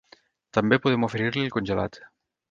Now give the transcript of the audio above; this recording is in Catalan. També podem oferir-li el congelat.